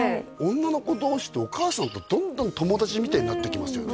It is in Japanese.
女の子同士ってお母さんとどんどん友達みたいになっていきますよね